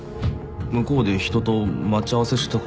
向こうで人と待ち合わせしてたことあって。